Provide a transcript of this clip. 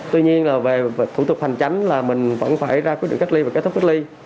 tuy nhiên về thủ tục hành tránh mình vẫn phải ra quyết định cách ly và kết thúc cách ly